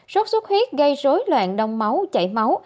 sốt xuất huyết gây rối loạn đông máu chảy máu